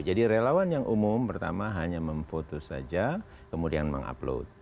jadi relawan yang umum pertama hanya memfoto saja kemudian mengupload